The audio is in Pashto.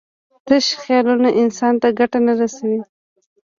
تش خیالونه انسان ته ګټه نه رسوي.